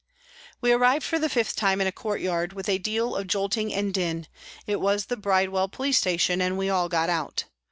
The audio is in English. We arrived for the fifth time in a courtyard, with a deal of jolting and din ; it was the Bridewell Police Station, and we all got out.